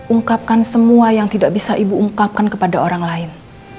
ungkapkan semua yang tidak bisa ibu ungkapkan kepada orang lain